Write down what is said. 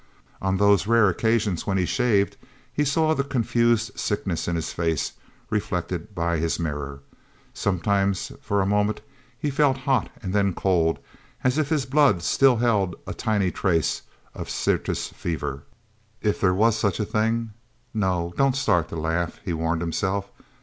On those rare occasions when he shaved, he saw the confused sickness in his face, reflected by his mirror. Sometimes, for a moment, he felt hot, and then cold, as if his blood still held a tiny trace of Syrtis Fever. If there was such a thing? No don't start to laugh, he warned himself.